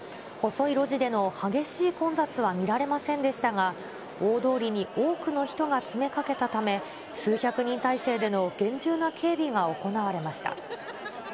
細い路地での激しい混雑は見られませんでしたが、大通りに多くの人が詰めかけたため、数百人態勢での厳重な警備が行われました。